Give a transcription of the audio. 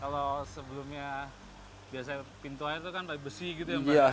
kalau sebelumnya pintu air itu kan pakai besi gitu ya mbah